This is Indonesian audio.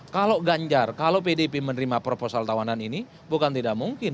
kalau ganjar kalau pdip menerima proposal tawanan ini bukan tidak mungkin